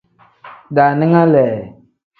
Daaninga lee.